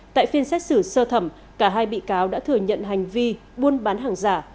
tại phiên xét xử sơ thẩm cả hai bị cáo đã thừa nhận hành vi buôn bán hàng giả